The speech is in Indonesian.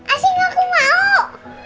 asyik gak aku mau